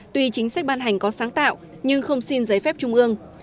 tuy chính sách ban hành có sáng tạo nhưng không xin giấy phép trung ương